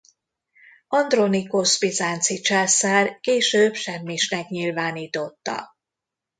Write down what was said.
Andronikosz bizánci császár később semmisnek nyilvánította.